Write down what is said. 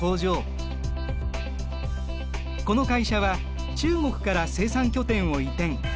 この会社は中国から生産拠点を移転。